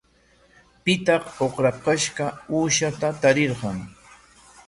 ¿Pitaq ukrakashqa uushata tarirqan?